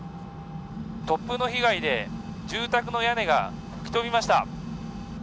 突風の被害で住宅の屋根が吹き飛びました。